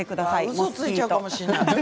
うそついちゃうかもしれない。